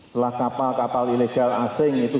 setelah kapal kapal ilegal asing itu